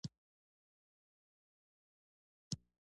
امر د ډلې له خوا شوی و، شېبه وروسته یو بل ټیلیفون راغلی.